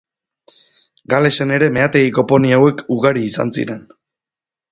Galesen ere meategiko poni hauek ugari izan ziren.